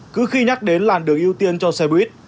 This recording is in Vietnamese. cứ khi nhắc đến làn đường ưu tiên cho xe buýt